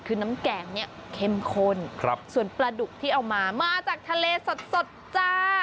คือน้ำแกงเนี่ยเข้มข้นส่วนปลาดุกที่เอามามาจากทะเลสดจ้า